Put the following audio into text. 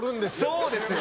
そうですよ！